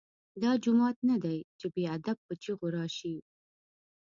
دا جومات نه دی چې بې ادب په چیغو راشې.